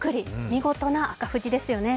見事な赤富士ですよね。